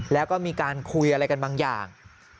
แล้วก็มีการคุยอะไรกันบางอย่าง